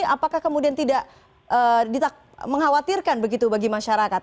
apakah kemudian tidak dikhawatirkan begitu bagi masyarakat